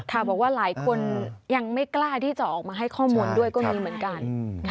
บอกว่าหลายคนยังไม่กล้าที่จะออกมาให้ข้อมูลด้วยก็มีเหมือนกัน